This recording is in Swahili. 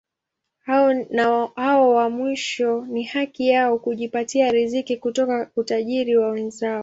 Hao wa mwisho ni haki yao kujipatia riziki kutoka utajiri wa wenzao.